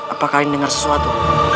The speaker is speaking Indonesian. apakah ingin dengar sesuatu